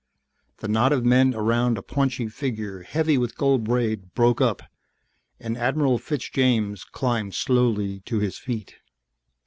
The knot of men around a paunchy figure heavy with gold braid broke up and Admiral Fitzjames climbed slowly to his feet.